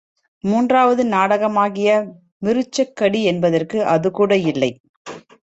மூன்றாவது நாடகமாகிய, மிருச்ச கடி என்பதற்கு அதுகூட இல்லை.